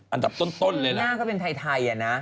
อันดับต้นเลยนะหน้าก็เป็นไทยนะ